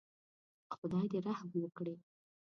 خدای دې رحم وکړي.